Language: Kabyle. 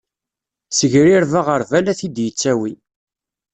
Ssegrireb aɣerbal ad t-id-ittawi.